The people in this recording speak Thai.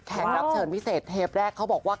แข่งรับเชิญเทปแรกเขาบอกว่า